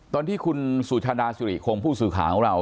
ตอนที่คุณสุชาดาสุริคงผู้สื่อข่าวของเรา